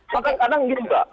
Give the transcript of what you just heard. kadang kadang gini mbak